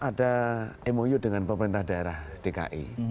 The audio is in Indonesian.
kita ada emosi dengan pemerintah daerah dki